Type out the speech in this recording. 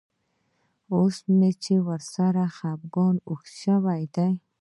اوس مې ورسره خپګان اوږد شوی دی.